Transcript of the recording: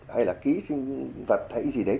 hay là ký sinh vật thấy gì đấy